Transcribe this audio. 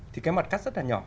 thì cái mặt cắt rất là nhỏ